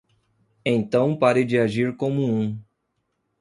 Então pare de agir como um.